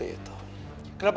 kenapa kamu melakukan sebuah